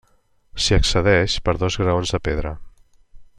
S'hi accedeix per dos graons de pedra.